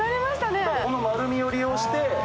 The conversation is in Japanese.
この丸みを利用して。